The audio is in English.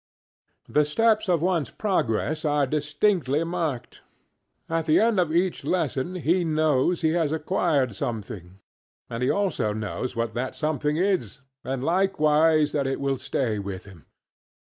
The steps of oneŌĆÖs progress are distinctly marked. At the end of each lesson he knows he has acquired something, and he also knows what that something is, and likewise that it will stay with him.